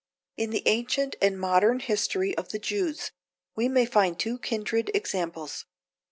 In the ancient and modern history of the Jews we may find two kindred examples.